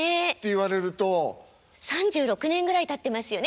３６年ぐらいたってますよね